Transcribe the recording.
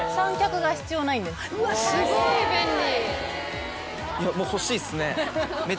すごい便利。